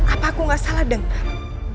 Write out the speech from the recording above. apa aku gak salah dengar